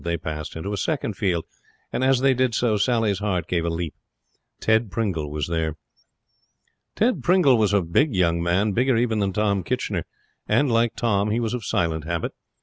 They passed into a second field, and as they did so Sally's heart gave a leap. Ted Pringle was there. Ted Pringle was a big young man, bigger even than Tom Kitchener, and, like Tom, he was of silent habit.